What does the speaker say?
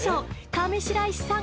上白石さん